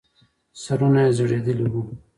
سرونه يې ځړېدلې وو.